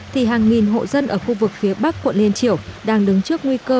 thì hàng nghìn hộ dân ở khu vực phía bắc quận lên triểu đang đứng trước nguy cơ